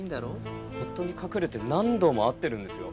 夫に隠れて何度も会ってるんですよ？